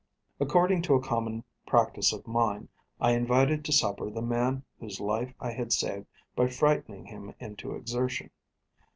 According to a common practice of mine, I invited to supper the man whose life I had saved by frightening him into exertion.